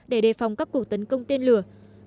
để đề phòng các cuộc tấn công tên lửa